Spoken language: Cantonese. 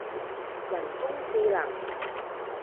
人工智能